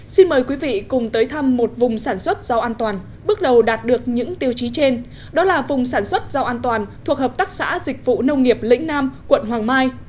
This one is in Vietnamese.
xin mời quý vị cùng tới thăm một vùng sản xuất rau an toàn bước đầu đạt được những tiêu chí trên đó là vùng sản xuất rau an toàn thuộc hợp tác xã dịch vụ nông nghiệp lĩnh nam quận hoàng mai